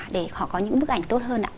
để họ có những bức ảnh tốt hơn